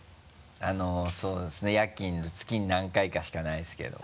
あのそうですね夜勤月に何回かしかないですけど。